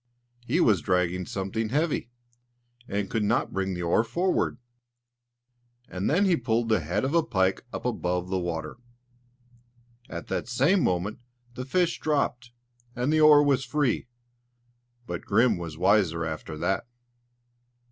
He was dragging something heavy, and could not bring the oar forward; and then he pulled the head of a pike up above the water. At the same moment the fish dropped, and the oar was free; but Grim was wiser after that.